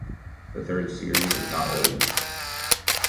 The third series was not released.